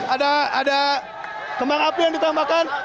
ada kembang api yang ditambahkan